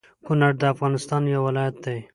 کونړ د افغانستان يو ولايت دى